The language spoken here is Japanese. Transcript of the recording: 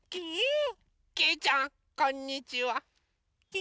きいちゃんこんにちは。